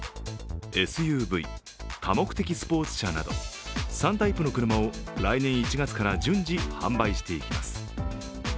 ＳＵＶ＝多目的スポーツ車など３タイプの車を来年１月から順次販売していきます